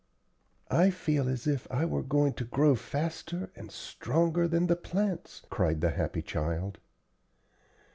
"I feel as if I were going to grow faster and stronger than the plants," cried the happy child.